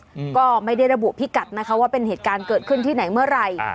อืมก็ไม่ได้ระบุพิกัดนะคะว่าเป็นเหตุการณ์เกิดขึ้นที่ไหนเมื่อไหร่อ่า